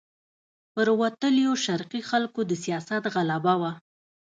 پر وتلیو شرقي خلکو د سیاست غلبه وه.